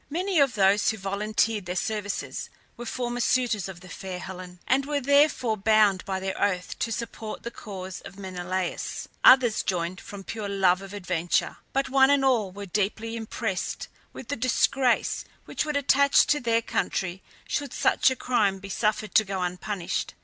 Many of those who volunteered their services were former suitors of the fair Helen, and were therefore bound by their oath to support the cause of Menelaus; others joined from pure love of adventure, but one and all were deeply impressed with the disgrace which would attach to their country should such a crime be suffered to go unpunished.